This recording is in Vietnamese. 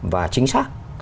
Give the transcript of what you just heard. và chính xác